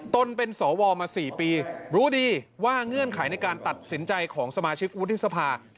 ตนเป็นสวมา๔ปีรู้ดีว่าเงื่อนไขในการตัดสินใจของสมาชิกวุฒิสภา